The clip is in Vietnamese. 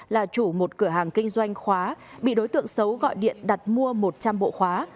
là chủ một cửa hàng kinh doanh khóa bị đối tượng xấu gọi điện đặt mua một trăm linh bộ khóa